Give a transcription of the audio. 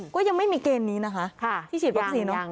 ก็ยังไม่มีเกณฑ์นี้นะคะที่ฉีดวัคซีนเนอะ